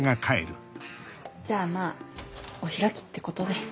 じゃあまぁお開きってことで。